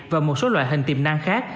và một số loại hình tiềm năng khác